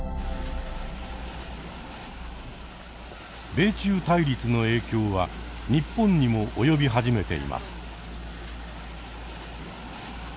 米中対立の影響は日本にも及び始めています。